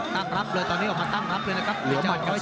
ตั้งรับเลยตอนนี้ออกมาตั้งรับเลยนะครับเวลามัดกับ๒